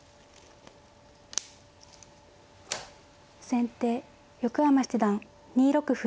先手横山七段２六歩。